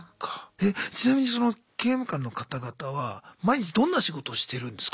えちなみにその刑務官の方々は毎日どんな仕事をしてるんですか？